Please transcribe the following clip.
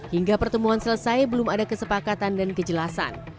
hingga pertemuan selesai belum ada kesepakatan dan kejelasan